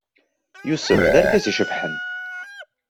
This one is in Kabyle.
Yusef, d argaz icebḥen.